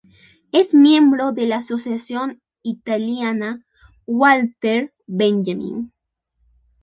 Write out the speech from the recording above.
Es miembro de la Asociación Italiana Walter Benjamin.